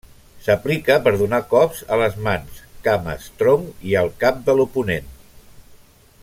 S'aplica per donar cops a les mans, cames, tronc i al cap de l'oponent.